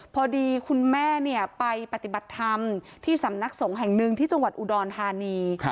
พอดีคุณแม่ไปปฏิบัติธรรมที่สำนักสงฆ์แห่งหนึ่งที่จังหวัดอุดรธานี